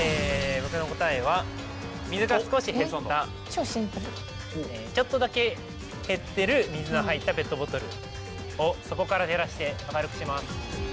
僕の答えは水が少し減ったちょっとだけ減ってる水の入ったペットボトルを底から照らして明るくします